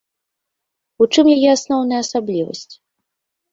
У чым яе асноўная асаблівасць?